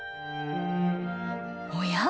おや？